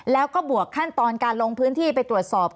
แล้วก็บวกขั้นตอนการลงพื้นที่ไปตรวจสอบ